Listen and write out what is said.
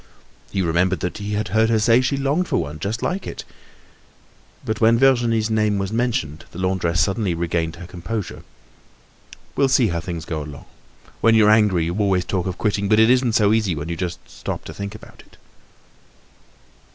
He remembered that he had heard her say she longed for one just like it. But when Virginie's name was mentioned the laundress suddenly regained her composure. We'll see how things go along. When you're angry you always talk of quitting, but it isn't so easy when you just stop to think about it.